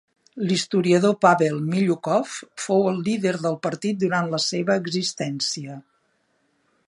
L'historiador Pavel Miliukov fou el líder del partit durant la seva existència.